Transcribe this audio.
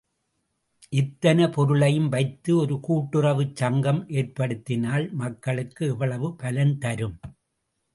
இத்தனை பொருளையும் வைத்து ஒரு கூட்டுறவுச் சங்கம் ஏற்படுத்தினால் மக்களுக்கு எவ்வளவு பலன் தரும்!